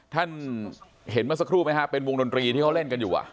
ท่านเห็นเมื่อสักครู่ไหมฮะเป็นวงดนตรีที่เขาเล่นกันอยู่